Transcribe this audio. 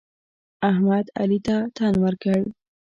احمد؛ علي ته تن ورکړ.